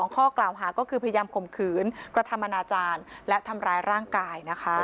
ข้อกล่าวหาก็คือพยายามข่มขืนกระทำอนาจารย์และทำร้ายร่างกายนะคะ